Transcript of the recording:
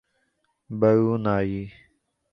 Brunei